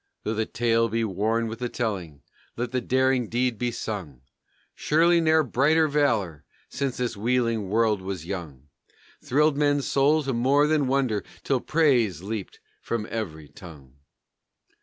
_ Though the tale be worn with the telling, let the daring deed be sung! Surely never brighter valor, since this wheeling world was young, Thrilled men's souls to more than wonder, till praise leaped from every tongue!